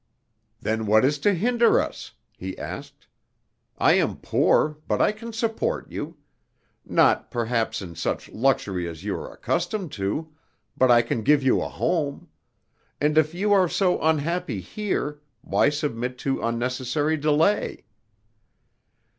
"Then what is to hinder us?" he asked; "I am poor, but I can support you; not perhaps in such luxury as you are accustomed to, but I can give you a home; and if you are so unhappy here, why submit to unnecessary delay?"